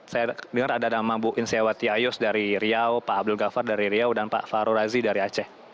saya dengar ada nama bu inseawati ayus dari riau pak abdul ghaffar dari riau dan pak fahru razi dari aceh